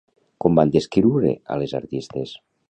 Com van descriure a les artistes?